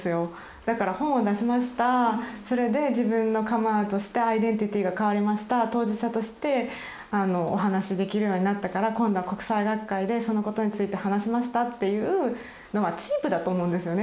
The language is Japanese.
だから本を出しましたそれで自分のカムアウトしてアイデンティティーが変わりました当事者としてお話しできるようになったから今度は国際学会でそのことについて話しましたっていうのはチープだと思うんですよね